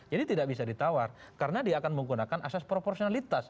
jadi tidak bisa ditawar karena dia akan menggunakan asas proporsionalitas